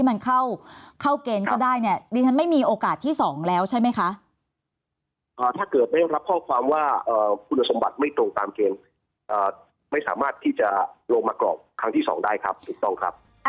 ไม่สามารถที่จะลงมากรอกที่๒ได้ครับถูกต้องครับ